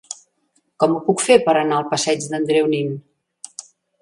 Com ho puc fer per anar al passeig d'Andreu Nin?